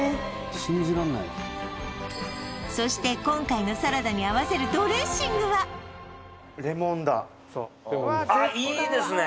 そして今回のサラダに合わせるドレッシングはそうレモンですあっいいですね